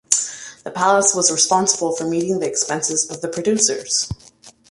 The palace was responsible for meeting the expenses of the producers.